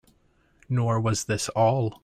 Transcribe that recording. Nor was this all.